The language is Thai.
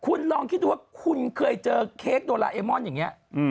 คุณลองคิดดูว่าคุณเคยเจอเค้กโดราเอมอนอย่างนี้